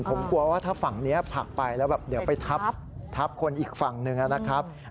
ผมกลัวว่าถ้าฝั่งนี้ผลักไปแล้วแบบเดี๋ยวไปทับคนอีกฝั่งหนึ่งนะครับ